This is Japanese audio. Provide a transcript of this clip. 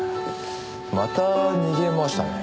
また逃げましたね。